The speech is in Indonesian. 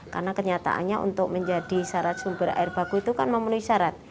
karena kenyataannya untuk menjadi syarat sumber air baku itu kan memenuhi syarat